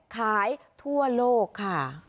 ขายทั่วโลกค่ะ